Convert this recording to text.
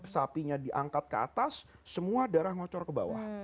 sapinya diangkat ke atas semua darah ngocor ke bawah